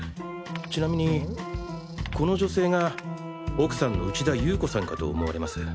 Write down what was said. ちなみにこの女性が奥さんの内田裕子さんかと思われます。